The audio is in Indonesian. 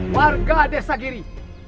warga desa giri